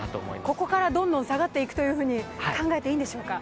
ここからどんどん下がっていくと考えていいんでしょうか。